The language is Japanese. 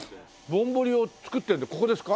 ぼんぼりを作ってるってここですか？